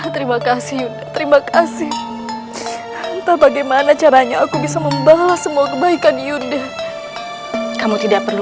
terima kasih yudha terima kasih entah bagaimana caranya aku bisa membalas semua kebaikan yudha kamu tidak perlu